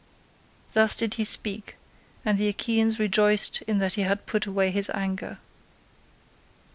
Thus did he speak, and the Achaeans rejoiced in that he had put away his anger.